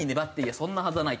そんなはずはないと。